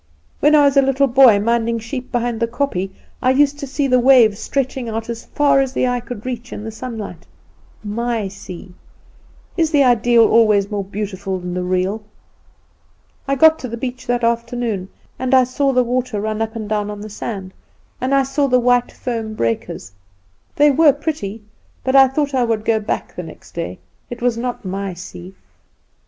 When I was a little boy, minding sheep behind the kopje, I used to see the waves stretching out as far as the eye could reach in the sunlight. My sea! Is the idea always more beautiful than the real? "I got to the beach that afternoon, and I saw the water run up and down on the sand, and I saw the white foam breakers; they were pretty, but I thought I would go back the next day. It was not my sea.